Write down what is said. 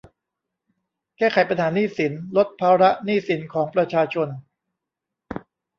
แก้ไขปัญหาหนี้สิน ลดภาระหนี้สินของประชาชน